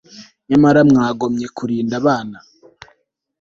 nyamara mwagombye kurinda abana